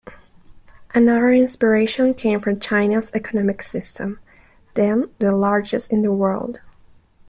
Another inspiration came from China's economic system, then the largest in the world.